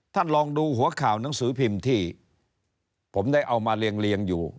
ลองดูหัวข่าวหนังสือพิมพ์ที่ผมได้เอามาเรียงอยู่